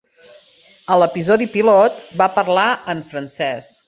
A l'episodi pilot, va parlar en francès.